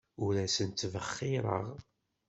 Ur asent-ttbexxireɣ.